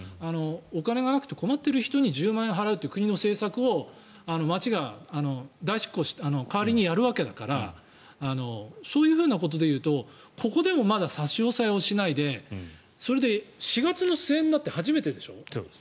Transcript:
お金がなくて困っている人に１０万円払うという国の政策を町が代わりにやるわけだからそういうことでいうとここでも差し押さえをしないでそれで、４月の末になって初めてでしょ？